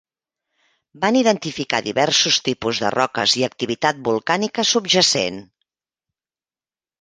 Van identificar diversos tipus de roques i activitat volcànica subjacent.